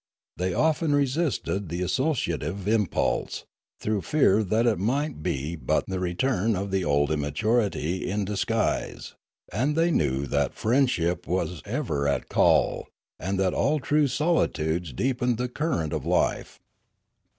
They often resisted the associative impulse, through fear that it might be but the return of the old immaturity in disguise; and they knew that friend ship was ever at call, and that all true solitudes deep ened the current of life.